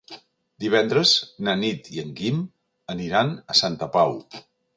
Divendres na Nit i en Guim aniran a Santa Pau.